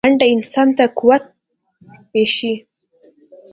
منډه انسان ته قوت بښي